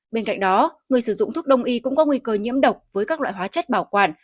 bên cạnh đó người sử dụng thuốc đông y cũng có nguy cơ nhiễm độc với các loại hóa chất bảo quản